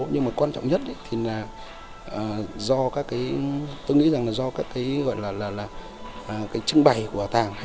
nhưng mà quan trọng nhất thì là do các cái tôi nghĩ rằng là do các cái gọi là cái trưng bày của bảo tàng